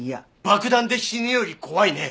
爆弾で死ぬより怖いね！